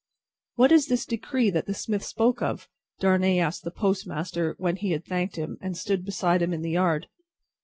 "What is this decree that the smith spoke of?" Darnay asked the postmaster, when he had thanked him, and stood beside him in the yard.